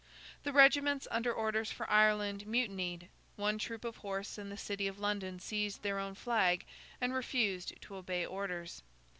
The regiments under orders for Ireland mutinied; one troop of horse in the city of London seized their own flag, and refused to obey orders.